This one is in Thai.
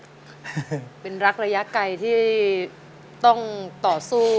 อเรนนี่เป็นรักระยะไกลที่ต้องต่อสู้กัน